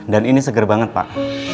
dan ini seger banget pak